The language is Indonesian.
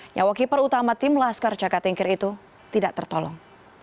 nyawa keeper utama tim laskar cakatingkir itu tidak tertolong